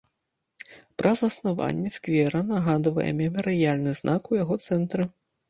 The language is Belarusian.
Пра заснаванне сквера нагадвае мемарыяльны знак у яго цэнтры.